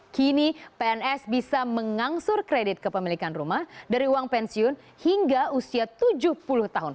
kini pns bisa mengangsur kredit kepemilikan rumah dari uang pensiun hingga usia tujuh puluh tahun